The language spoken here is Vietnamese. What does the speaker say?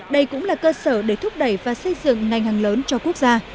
đây cũng là cơ sở để thúc đẩy và xây dựng ngành hàng lớn cho quốc gia